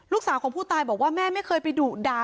ลูกสาวของผู้ตายบอกว่าแม่ไม่เคยไปดุด่า